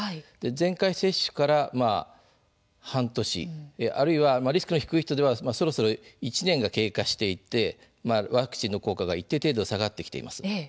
前回接種から半年あるいはリスクの低い人ではそろそろ１年が経過していてワクチンの効果が一定程度下がってきています。